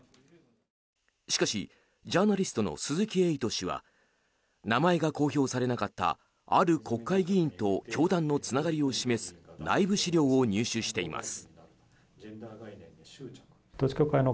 しかしジャーナリストの鈴木エイト氏は名前が公表されなかったある国会議員と教団のつながりを示す内部資料を入手しています。